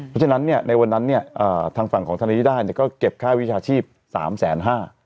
เพราะฉะนั้นในวันนั้นทางฝั่งของธนริย์ได้ก็เก็บค่าวิชาชีพ๓๕๐๐๐๐๐บาท